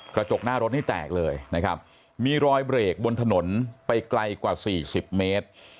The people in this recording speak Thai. กระจกหน้ารถนี่แตกเลยนะครับมีรอยเบรกบนถนนไปไกลกว่าสี่สิบเมตร